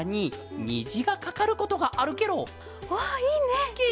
わあいいね！